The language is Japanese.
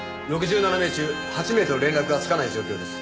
６７名中８名と連絡がつかない状況です。